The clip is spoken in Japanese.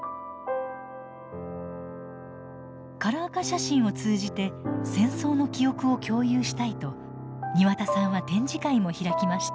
カラー化写真を通じて戦争の記憶を共有したいと庭田さんは展示会も開きました。